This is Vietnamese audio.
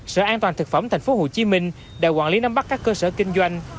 sở an toàn thực phẩm thành phố hồ chí minh đã quản lý nắm bắt các cơ sở kinh doanh